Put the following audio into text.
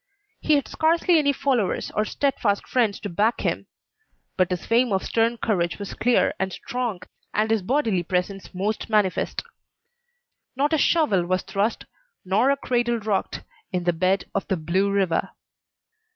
He had scarcely any followers or steadfast friends to back him; but his fame for stern courage was clear and strong, and his bodily presence most manifest. Not a shovel was thrust nor a cradle rocked in the bed of the Blue River.